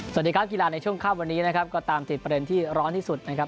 สวัสดีครับกีฬาในช่วงค่ำวันนี้นะครับก็ตามติดประเด็นที่ร้อนที่สุดนะครับ